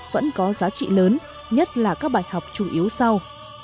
vẫn có giá trị lớn nhất là các bài học chủ yếu sau